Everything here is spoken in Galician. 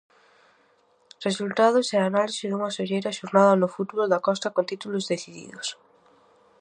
Resultados e análise dunha solleira xornada no fútbol da Costa con títulos decididos.